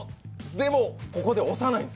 でもここで押さない。